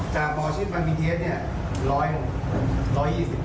จากหมชิดบพชิดเนี่ย๑๒๐บาท